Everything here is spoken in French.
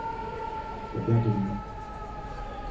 Ta paire de lunettes.